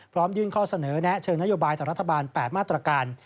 ยื่นข้อเสนอแนะเชิงนโยบายต่อรัฐบาล๘มาตรการ